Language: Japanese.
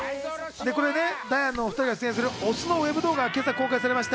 これね、ダイアンの２人が出演するお酢のＷＥＢ動画が今朝公開されました。